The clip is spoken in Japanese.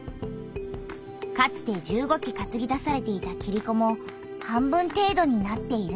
かつて１５基かつぎ出されていたキリコも半分てい度になっている。